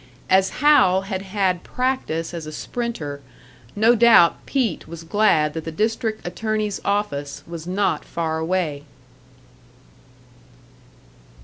As Hal had had practice as a sprinter, no doubt Pete was glad that the District Attorney's office was not far away!